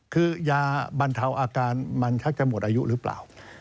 คือยาบรรเทาอาการมันชักจะหมดอายุหรือเปล่า